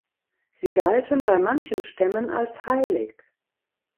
Sie galten bei manchen Stämmen als heilig.